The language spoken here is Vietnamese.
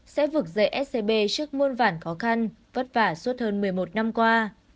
sẽ vực dậy scb trước muôn vản khó khăn vất vả suốt hơn một mươi một năm qua